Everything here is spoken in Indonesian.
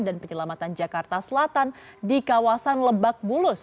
dan penyelamatan jakarta selatan di kawasan lebak bulus